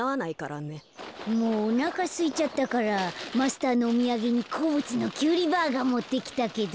もうおなかすいちゃったからマスターのおみやげにこうぶつのキュウリバーガーもってきたけど